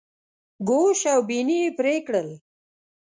ګوش او بیني یې پرې کړل.